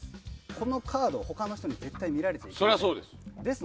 このカード、他の人に絶対に見られちゃいけないです。